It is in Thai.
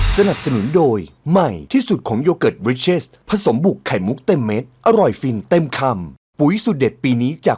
ทำไมฉันถึงแกล้งนายไม่สำเร็จนะ